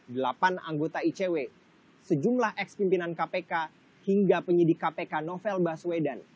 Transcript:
delapan anggota icw sejumlah eks pimpinan kpk hingga penyidik kpk novel baswedan